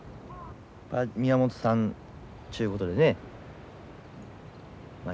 まあ宮本さんっちゅうことでねまあ